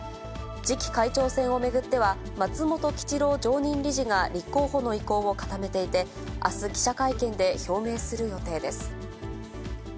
次期会長選を巡っては、松本吉郎常任理事が立候補の意向を固めていて、あす、記者会見で表明する予定です。